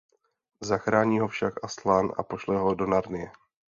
Zachrání ho však Aslan a pošle ho do Narnie.